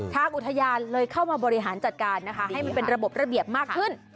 ทางอุทยานเลยเข้ามาบริหารจัดการนะคะให้มันเป็นระบบระเบียบมากขึ้น